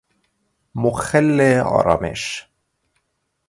مخل آرامش